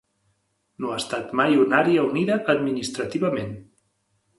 No ha estat mai una àrea unida administrativament.